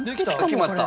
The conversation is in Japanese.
決まった？